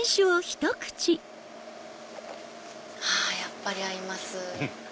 あやっぱり合います。